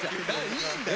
いいんだよ！